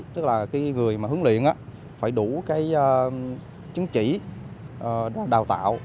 tức là cái người mà huấn luyện phải đủ cái chứng chỉ đào tạo